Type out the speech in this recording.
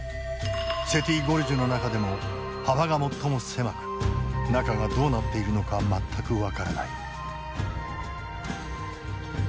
セティ・ゴルジュの中でも幅が最も狭く中がどうなっているのか全く分からない。